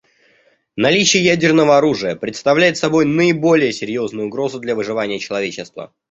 Наличие ядерного оружия представляет собой наиболее серьезную угрозу для выживания человечества.